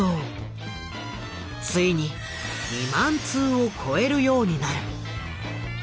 ついに２万通を超えるようになる。